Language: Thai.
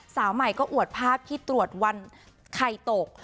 สาวใหม่ก็อวดภาพที่ตรวจวันไข่ตก